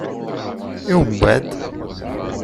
I umbeɛd?